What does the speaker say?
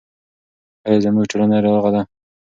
آیا زموږ ټولنه روغه ده؟